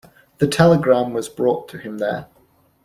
The telegram was brought to him there.